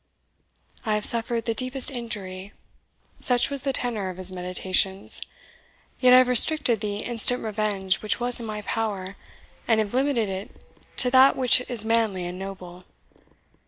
"I have suffered the deepest injury," such was the tenor of his meditations, "yet I have restricted the instant revenge which was in my power, and have limited it to that which is manly and noble.